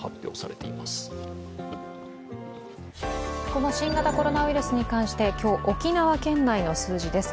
この新型コロナウイルスに関して今日、沖縄県内の数字です。